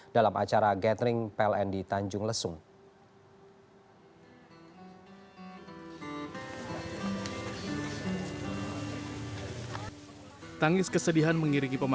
dalam acara gathering pln di tanjung lesung